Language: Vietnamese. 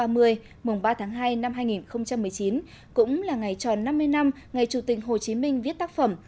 mồng ba tháng hai năm hai nghìn một mươi chín cũng là ngày tròn năm mươi năm ngày chủ tịch hồ chí minh viết tác phẩm